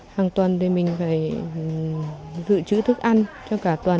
hàng tuần thì mình phải dự trữ thức ăn cho cả tuần